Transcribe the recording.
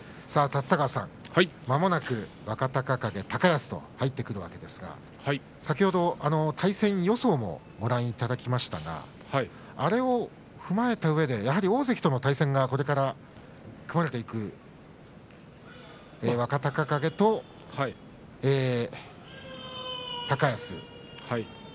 立田川さん、まもなく若隆景高安と入ってくるわけですが先ほど対戦予想もご覧いただきましたがあれを踏まえたうえで、やはり大関との対戦がこれから組まれていく若隆景と高安。